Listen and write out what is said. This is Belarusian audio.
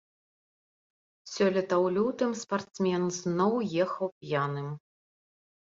Сёлета ў лютым спартсмен зноў ехаў п'яным.